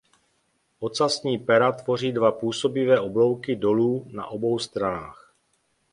Ocasní pera tvoří dva působivé oblouky dolů na obou stranách.